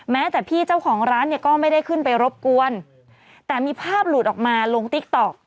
แม้แต่พี่เจ้าของร้านเนี่ยก็ไม่ได้ขึ้นไปรบกวนแต่มีภาพหลุดออกมาลงติ๊กต๊อก